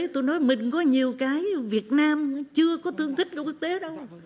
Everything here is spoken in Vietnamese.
tôi nói mình có nhiều cái việt nam chưa có tương thích với quốc tế đó